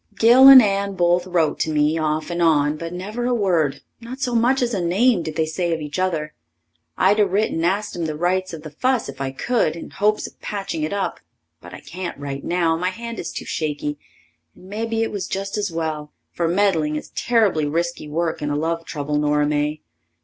Gil and Anne both wrote to me off and on, but never a word, not so much as a name, did they say of each other. I'd 'a' writ and asked 'em the rights of the fuss if I could, in hopes of patching it up, but I can't write now my hand is too shaky and mebbe it was just as well, for meddling is terribly risky work in a love trouble, Nora May.